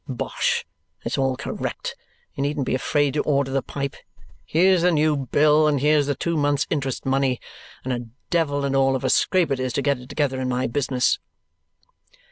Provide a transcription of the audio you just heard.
(Bosh! It's all correct. You needn't be afraid to order the pipe. Here's the new bill, and here's the two months' interest money, and a devil and all of a scrape it is to get it together in my business.)"